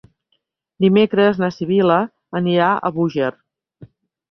Dimecres na Sibil·la anirà a Búger.